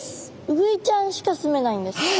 ウグイちゃんしか住めないんですか？